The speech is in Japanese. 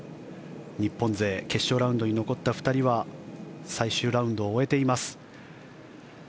日本勢決勝ラウンドに残った２人は最終ラウンドを終えています。